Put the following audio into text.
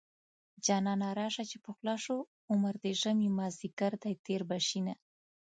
جانانه راشه چې پخلا شو عمر د ژمې مازديګر دی تېر به شينه